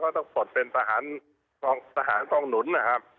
เขาก็ต้องปลดเป็นทหารกองหนุนนะครับ